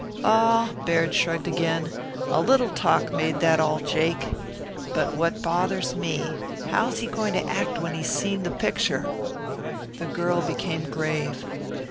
"Oh!" Baird shrugged again. "A little talk made that all jake. But what bothers me how's he going to act when he's seen the picture?" The girl became grave.